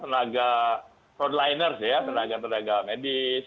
tenaga froadliners ya tenaga tenaga medis